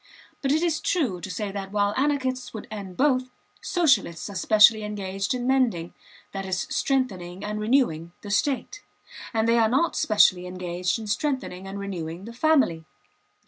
But it is true to say that while anarchists would end both, Socialists are specially engaged in mending (that is, strengthening and renewing) the state; and they are not specially engaged in strengthening and renewing the family.